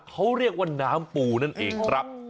เขาเรียกว่าน้ำปูนั่นเองครับ